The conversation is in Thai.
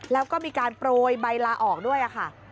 แล้วก็มีการโปรยใบลาออกด้วยค่ะ